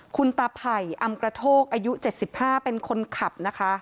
คุณตาไผ่อำกระโทกอายุเจ็ดสิบห้าเป็นคนขับนะคะ